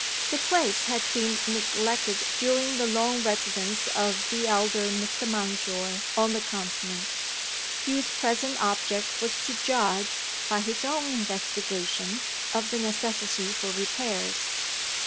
The place had been neglected during the long residence of the elder Mr. Mountjoy on the Continent. Hugh's present object was to judge, by his own investigation, of the necessity for repairs.